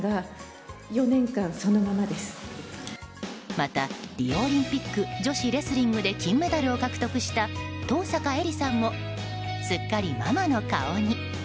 また、リオオリンピック女子レスリングで金メダルを獲得した登坂絵莉さんもすっかりママの顔に。